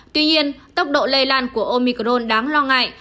tuy nhiên tốc độ lây lan của omicron đáng lo ngại